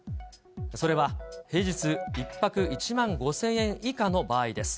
それは、平日１泊１万５０００円以下の場合です。